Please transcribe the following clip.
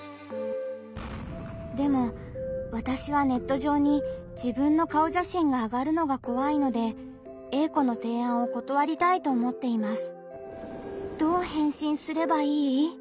でもわたしはネット上に自分の顔写真があがるのが怖いのでＡ子の提案を断りたいと思っています。